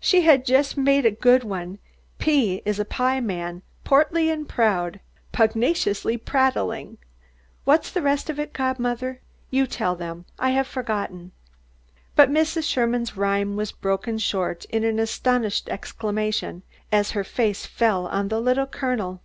She has just made a good one: 'P is a pie man, portly and proud, pugnaciously prattling' What's the rest of it, godmother? You tell them. I have forgotten." But Mrs. Sherman's rhyme was broken short in an astonished exclamation, as her glance fell on the Little Colonel.